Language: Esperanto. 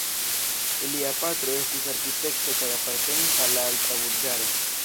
Ilia patro estis arkitekto kaj apartenis al la alta burĝaro.